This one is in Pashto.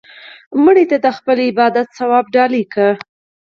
مړه ته د خپل عبادت ثواب ډالۍ کړه